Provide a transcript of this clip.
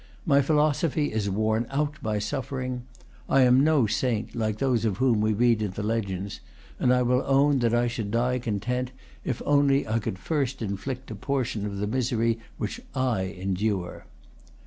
My philosophy is worn out by suffering. I am no saint, like those of whom we read in the legends; and I will own that I should die content if only I could first inflict a portion of the misery which I endure."